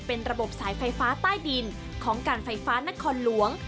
เป็นระบบสายไฟฟ้าใต้ดินของการไฟฟ้านครหลวง